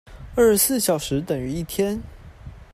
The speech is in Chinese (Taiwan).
二十四小時等於一天